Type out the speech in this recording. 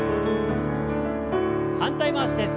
反対回しです。